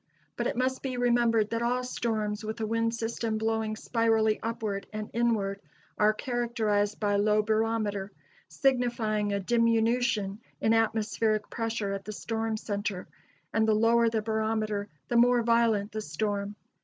But it must be remembered that all storms with a wind system blowing spirally upward and inward are characterized by low barometer, signifying a diminution in atmospheric pressure at the storm center; and the lower the barometer, the more violent the storm.